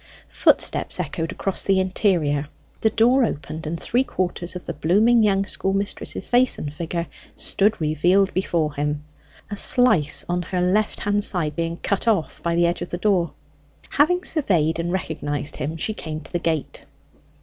Footsteps echoed across the interior, the door opened, and three quarters of the blooming young schoolmistress's face and figure stood revealed before him; a slice on her left hand side being cut off by the edge of the door. Having surveyed and recognized him, she came to the gate.